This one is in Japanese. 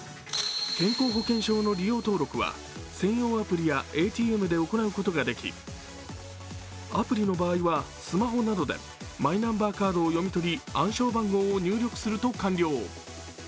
健康保険証の利用登録は専用アプリやＡＴＭで行うことができ、アプリの場合はスマホなどでマイナンバーカードを読み取り暗証番号を入力すると完了。